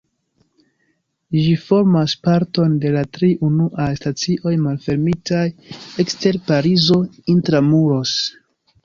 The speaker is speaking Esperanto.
Ĝi formas parton de la tri unuaj stacioj malfermitaj ekster Parizo "intra-muros".